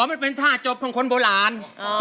มันเป็นท่าจบของคนโบราณ